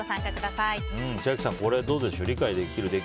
千秋さん、これはどうでしょう。